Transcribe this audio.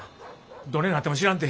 どねなっても知らんて。